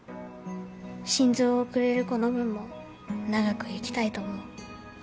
心臓をくれる子の分も長く生きたいと思う。